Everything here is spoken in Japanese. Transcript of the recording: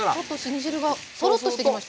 煮汁がとろっとしてきました。